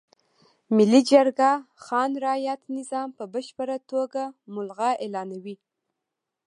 ملي جرګه خان رعیت نظام په بشپړه توګه ملغا اعلانوي.